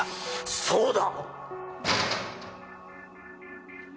そうだ。